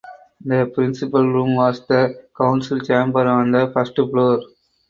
The principal room was the council chamber on the first floor.